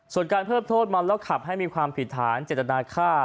ส่วนการเพิ่มโทษเมาแล้วขับให้มีความผิดฐานเจตนาฆ่า